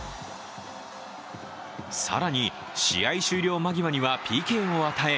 更に、試合終了間際にはＰＫを与え